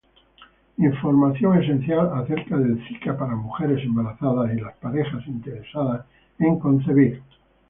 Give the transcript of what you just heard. Información esencial acerca del zika para mujeres embarazadas y las parejas interesadas en concebir.